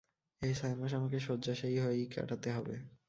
এই ছয় মাস আমাকে শয্যাশায়ী হয়েই কাটাতে হবে।